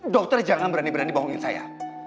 dokter jangan berani berani bohongin saya